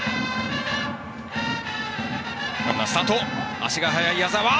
足が速い矢澤。